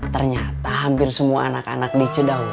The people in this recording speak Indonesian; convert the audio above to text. ternyata hampir semua anak anak di cedeng